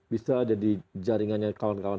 bisa jadi jaringannya kawan kawan